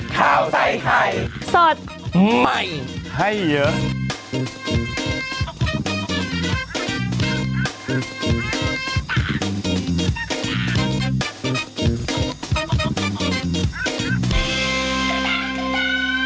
ข้าวใส่ไข่สดใหม่ให้เยอะ